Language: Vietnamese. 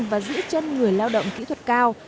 và giữ chân người lao động kỹ thuật cao